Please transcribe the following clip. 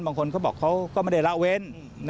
บางคนเขาบอกเขาก็ไม่ได้ละเว้น